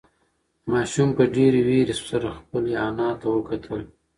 ماشوم په ډېرې وېرې سره خپلې انا ته وکتل.